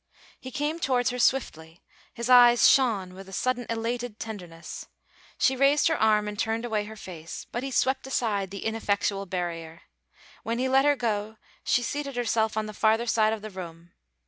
He came towards her swiftly; his eyes shone with a sudden elated tenderness. She raised her arms and turned away her face, but he swept aside the ineffectual barrier. When he let her go she seated herself on the farther side of the room.